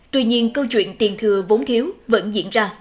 tuy nhiên câu chuyện tiền thừa vốn thiếu vẫn diễn ra